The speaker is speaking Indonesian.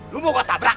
lu mau gue tabrak